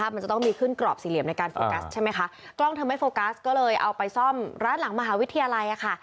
มันจะต้องมีขึ้นกรอบสี่เหลี่ยมในการโฟกัสใช่ไหมคะกล้องเธอไม่โฟกัสก็เลยเอาไปซ่อมร้านหลังมหาวิทยาลัยค่ะ